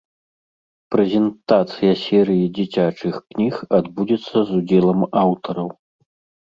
Прэзентацыя серыі дзіцячых кніг адбудзецца з удзелам аўтараў.